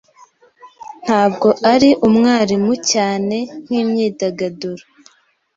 Ntabwo ari umwarimu cyane nkimyidagaduro.